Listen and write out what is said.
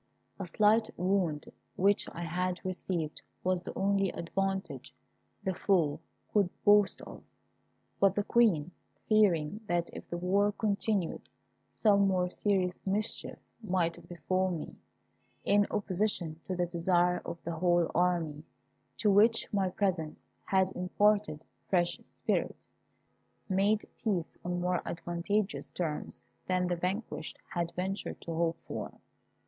A slight wound which I had received was the only advantage the foe could boast of; but the Queen, fearing that if the war continued some more serious mischief might befal me, in opposition to the desire of the whole army, to which my presence had imparted fresh spirit, made peace on more advantageous terms than the vanquished had ventured to hope for.